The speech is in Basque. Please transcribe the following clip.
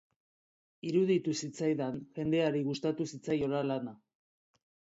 Iruditu zitzaidan jendeari gustatu zitzaiola lana.